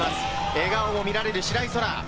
笑顔も見られる白井空良。